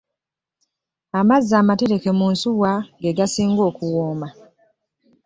Amazzi amatereke mu nsuwa gegasinga okuwoma.